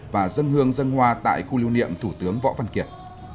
và dân hương dân hoa tại khu lưu niệm thủ tướng võ văn kiệt